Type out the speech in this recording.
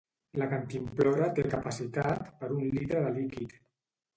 La cantimplora té capacitat per un litre de líquid.